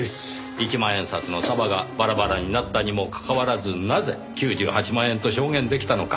一万円札の束がバラバラになったにもかかわらずなぜ９８万円と証言出来たのか。